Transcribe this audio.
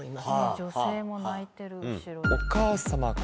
女性も泣いてる。